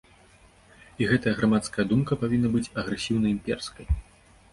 І гэтая грамадская думка павінна быць агрэсіўна-імперскай.